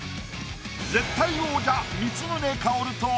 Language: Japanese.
絶対王者光宗薫と。